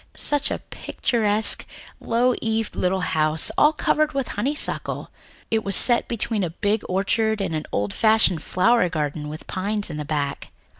Such a picturesque, low eaved little house, all covered over with honeysuckle. It was set between a big orchard and an old fashioned flower garden with great pines at the back."